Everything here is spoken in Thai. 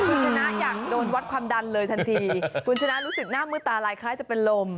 คุณชนะอยากโดนวัดความดันเลยทันทีคุณชนะรู้สึกหน้ามืดตาลายคล้ายจะเป็นลม